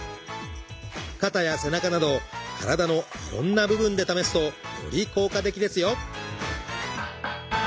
肩や背中など体のいろんな部分で試すとより効果的ですよ。